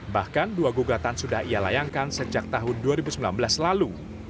bahkan dua gugatan sudah ia layangkan sejak tahun dua ribu sembilan belas lalu